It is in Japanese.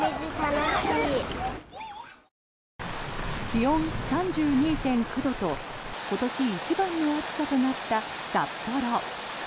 気温３２．９度と今年一番の暑さとなった札幌。